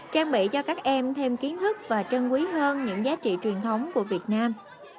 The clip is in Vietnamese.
trang bị cho các em thêm kiến thức và trân quý hơn những giá trị truyền thống của việt nam